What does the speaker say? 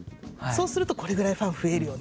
そうするとこれぐらいファン増えるよねとか。